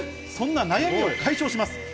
そんな迷いを解消します。